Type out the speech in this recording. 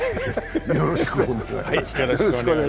よろしくお願いします。